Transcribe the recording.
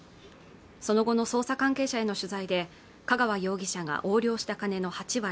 その後の捜査関係者への取材で香川容疑者が横領した金の８割